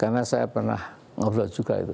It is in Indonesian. karena saya pernah ngobrol juga itu